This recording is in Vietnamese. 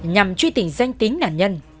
nhằm truy tình danh tính nạn nhân